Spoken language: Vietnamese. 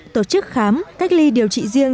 tổ chức khám cách ly điều trị riêng